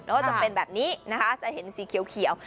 ก็จะเป็นแบบนี้นะคะจะเห็นสีเขียว